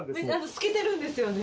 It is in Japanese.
透けてるんですよね。